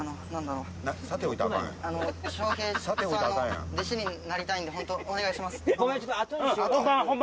笑瓶さんの弟子になりたいんでお願いします。